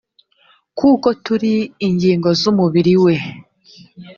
kuko turi ingingo z umubiri we